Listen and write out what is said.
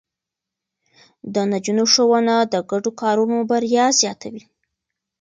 د نجونو ښوونه د ګډو کارونو بريا زياتوي.